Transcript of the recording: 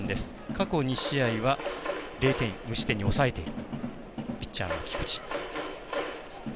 過去２試合は０点、無失点に抑えているピッチャーの菊地。